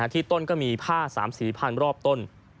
ที่ต้นก็มีผ้า๓สีพันรอบต้น